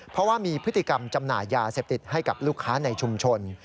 เพราะว่ามีพฤติกรรมจำหน่ายยาเสพติดให้กับลูกค้าในชุมชน